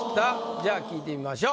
じゃあ聞いてみましょう。